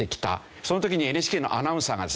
その時にＮＨＫのアナウンサーがですね